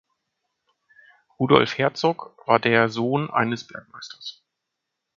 Rudolf Herzog war der Sohn eines Bergmeisters.